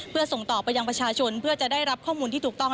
เพื่อส่งต่อไปยังประชาชนเพื่อจะได้รับข้อมูลที่ถูกต้อง